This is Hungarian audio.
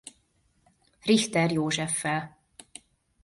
Richter Józseffel.